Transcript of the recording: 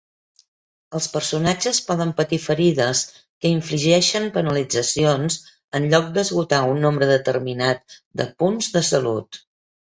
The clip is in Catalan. Els personatges poden patir ferides que infligeixen penalitzacions en lloc d'esgotar un nombre determinat de punts de salut.